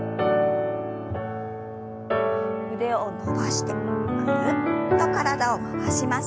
腕を伸ばしてぐるっと体を回します。